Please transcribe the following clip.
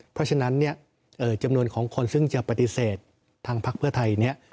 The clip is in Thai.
เพราะฉะนั้นจำนวนของคนซึ่งจะปฏิเสธทางภักดิ์เพื่อไทย